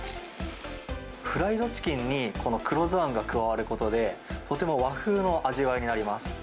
フライドチキンに、この黒酢あんが加わることで、とても和風の味わいになります。